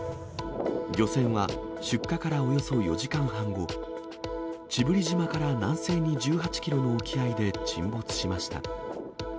漁船は出火からおよそ４時間半後、知夫里島から南西に１８キロの沖合で沈没しました。